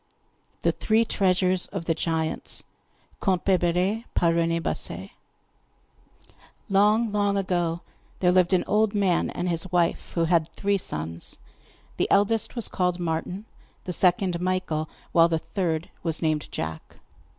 ] The Three Treasures of the Giants Long, long ago, there lived an old man and his wife who had three sons; the eldest was called Martin, the second Michael, while the third was named Jack.